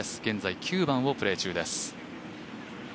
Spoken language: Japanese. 現在、９番をプレー中です。